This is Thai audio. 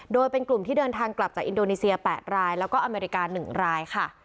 โดยเป็นกลุ่มที่เดินทางกลับจากอินโดนีเซีย๘รายแล้วก็อเมริกา๑รายค่ะ